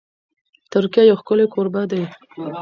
ترکیه یو ښکلی کوربه دی.